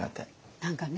何かね